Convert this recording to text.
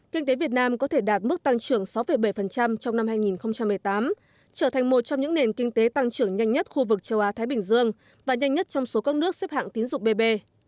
kinh tế việt nam có thể đạt mức tăng trưởng sáu bảy trong năm hai nghìn một mươi tám trở thành một trong những nền kinh tế tăng trưởng nhanh nhất khu vực châu á thái bình dương và nhanh nhất trong số các nước xếp hạng tín dụng bb